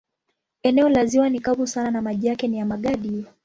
Eneo la ziwa ni kavu sana na maji yake ni ya magadi.